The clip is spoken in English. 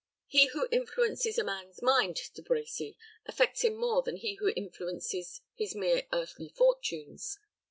He who influences a man's mind, De Brecy, affects him more than he who influences his mere earthly fortunes.